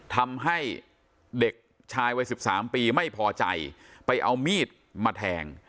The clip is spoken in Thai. ทำให้เด็กชายวัย๑๓ปีไม่พอใจไปเอามีดมาแทง